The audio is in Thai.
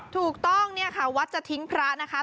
ถูกต้องวัดจะทิ้งพระนะคะ